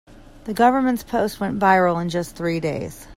The government's post went viral in just three days.